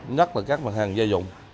nhất là các hàng gia dụng